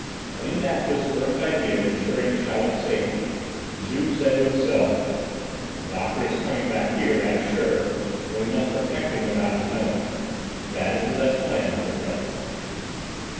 Coming back to his first idea of insuring Chaleck's safety, Juve said to himself: "The doctor is coming back here, that's sure, and we must protect him without his knowing it. That is the best plan for the present."